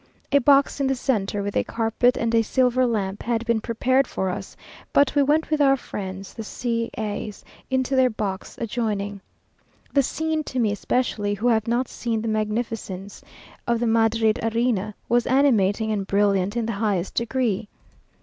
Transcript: A box in the centre, with a carpet and a silver lamp, had been prepared for us; but we went with our friends, the C as, into their box adjoining. The scene, to me especially, who have not seen the magnificence of the Madrid arena, was animating and brilliant in the highest degree.